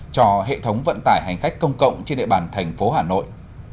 cho hệ thống vận tải hành khách công cộng trên địa bàn tp hà nội